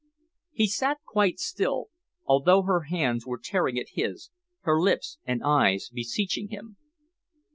He sat quite still, although her hands were tearing at his, her lips and eyes beseeching him.